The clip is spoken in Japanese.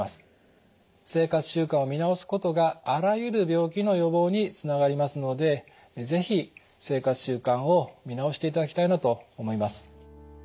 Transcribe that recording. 生活習慣を見直すことがあらゆる病気の予防につながりますので是非生活習慣を見直していただきたいなと思います。